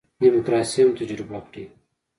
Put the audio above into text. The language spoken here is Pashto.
دیموکراسي هم تجربه کړي.